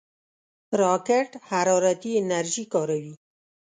راکټ حرارتي انرژي کاروي